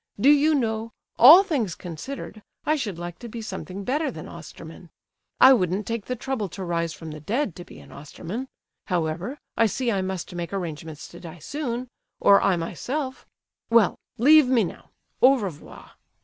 Do you know, all things considered, I should like to be something better than Osterman! I wouldn't take the trouble to rise from the dead to be an Osterman. However, I see I must make arrangements to die soon, or I myself—. Well—leave me now! _Au revoir.